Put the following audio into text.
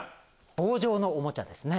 棒状のおもちゃですね。